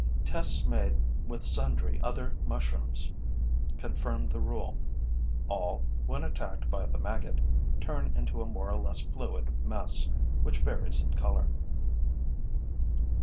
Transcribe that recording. Tests made with sundry other mushrooms confirm the rule: all, when attacked by the maggot, turn into a more or less fluid mess, which varies in color.